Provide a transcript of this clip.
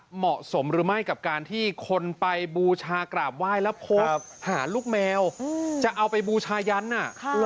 เหมาะสมหรือไม่กับการที่คนไปบูชากราบไหว้แล้วโพสต์หาลูกแมวจะเอาไปบูชายันอ่ะ